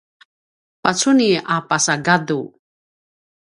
pacuni a pasa gadu